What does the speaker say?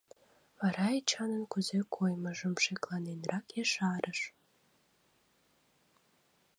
Вара Эчанын кузе коймыжым шекланенрак ешарыш.